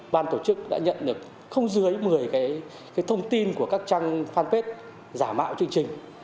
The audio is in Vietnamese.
ban tổ chức đã nhận được không dưới một mươi cái thông tin của các trang fanpage giả mạo chương trình